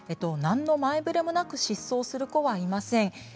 何の前触れもなく失踪する子はいません。